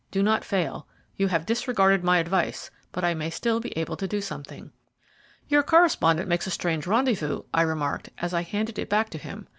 Do not fail. You have disregarded my advice, but I may still be able to do something." "Your correspondent makes a strange rendezvous," I remarked, as I handed it back to him.